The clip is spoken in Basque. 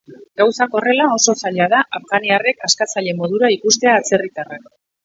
Gauzak horrela, oso zaila da afganiarrek askatzaile modura ikustea atzerritarrak.